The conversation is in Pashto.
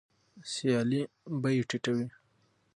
سیالي بیې ټیټوي.